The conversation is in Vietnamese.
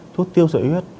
thuốc tiêu sợi huyết